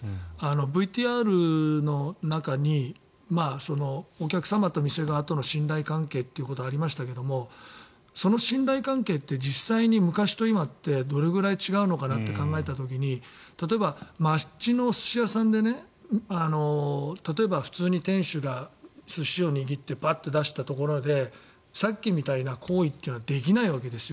ＶＴＲの中に、お客様と店側との信頼関係ということがありましたがその信頼関係って実際に昔と今ってどれくらい違うのかなって考えた時に例えば、町のお寿司屋さんで普通に店主が寿司を握ってパッと出したところでさっきみたいな行為ってのはできないわけですよ。